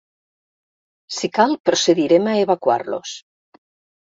Si cal, procedirem a evacuarlos.